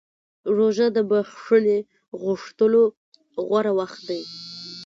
روژه د بښنې غوښتلو غوره وخت دی.